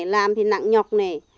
làm thì nặng nhọc nè